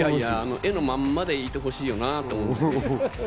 絵のままでいてほしいよなぁと思って。